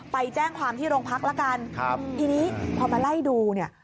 ไปแจ้งความที่โรงพักละกันครับทีนี้พอมาไล่ดูเนี่ย